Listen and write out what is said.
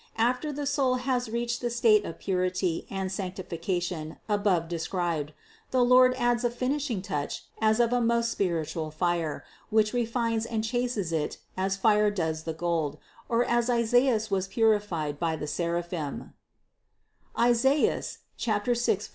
After the soul has reached the state of purity and sanctification above described, the Lord adds a finishing touch as of a most spiritual fire, which refines and chases it as fire does the gold, or as Isaias was puri fied by the seraphim (Isaias 6,7).